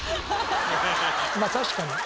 まあ確かに。